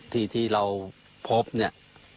ที่เราพบเนี่ย